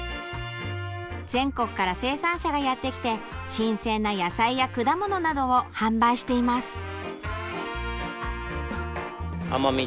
全国から生産者がやって来て新鮮な野菜や果物などを販売しています。